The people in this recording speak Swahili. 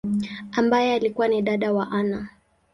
ambaye alikua ni dada wa Anna.